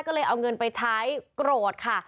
ก็เลยเอาเงินไปใช้โกรธค่ะ